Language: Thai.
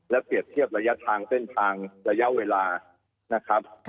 เปรียบเทียบระยะทางเส้นทางระยะเวลานะครับ